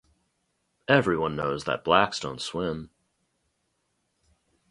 Everyone knows that blacks don't swim.